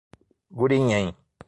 Gurinhém